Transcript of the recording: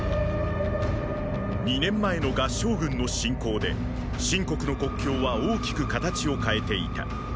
二年前の合従軍の侵攻で秦国の国境は大きく形を変えていた。